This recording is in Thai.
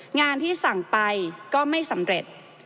งานที่สั่งไปก็ไม่สำเร็จ